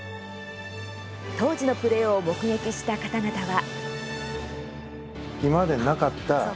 当時のプレーを目撃した方々は。